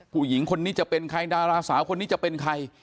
ผู้หญิงคนนี้จะเป็นใครดาราสาวคนนี้จะเป็นใคร